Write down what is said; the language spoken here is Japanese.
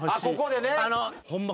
ホンマ